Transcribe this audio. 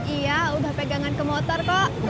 iya udah pegangan ke motor kok